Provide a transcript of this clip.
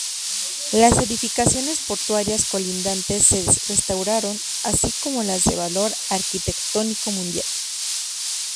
Las edificaciones portuarias colindantes se restauraron, así como las de valor arquitectónico mundial.